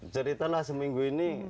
ceritalah seminggu ini